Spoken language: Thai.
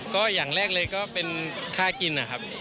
ก็อย่างแรกเลยก็เป็นค่ากินนะครับ